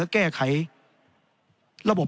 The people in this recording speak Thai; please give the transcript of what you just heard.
แก้ไขระบบ